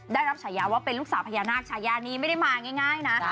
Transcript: ได้รับฉายาว่าเป็นลูกสาวพญานาคชายานี้ไม่ได้มาง่ายนะ